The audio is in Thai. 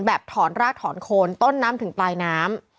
ถอนรากถอนโคนต้นน้ำถึงปลายน้ำ